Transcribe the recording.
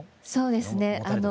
そうですね。